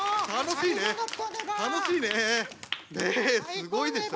ねえすごいでしょ？